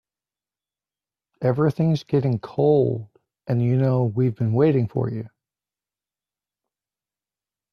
Everything's getting cold and you know we've been waiting for you.